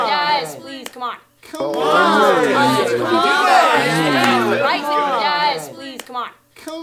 Ɔg oŋoo mɓɔŋle anyuu yee ?